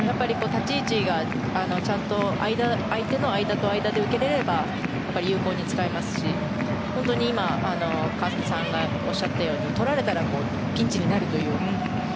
立ち位置がちゃんと相手の間と間で受けられれば、有効に使えますし本当に今川澄さんがおっしゃったようにとられたらピンチになるという。